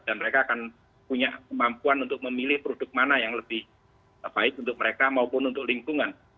dan mereka akan punya kemampuan untuk memilih produk mana yang lebih baik untuk mereka maupun untuk lingkungan